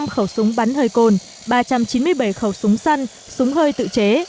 một trăm linh năm khẩu súng bắn hơi cồn ba trăm chín mươi bảy khẩu súng săn súng hơi tự chế